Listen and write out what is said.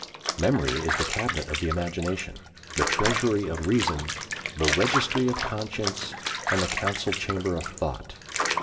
Memory is the cabinet of the imagination, the treasury of reason, the registry of conscience, and the council chamber of thought.